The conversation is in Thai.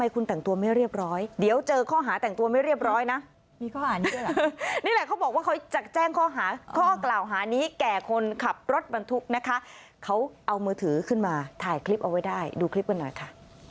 เขาเอาเมอร์ถือขึ้นมาถ่ายคลิปเอาไว้ได้ดูคลิปกันหน่อยค่ะ